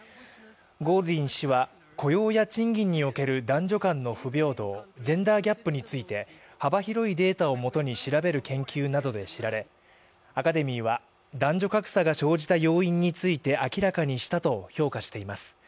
ゴールディン氏は雇用や賃金における男女間の不平等ジェンダーギャップについて幅広いデータをもとに調べる研究などで知られ、アカデミーは男女格差が生じた要因について明らかにしたと評価しています。